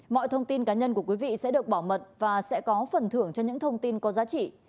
mọi thông tin cá nhân của quý vị sẽ được bảo mật và sẽ có phần thưởng cho những thông tin có giá trị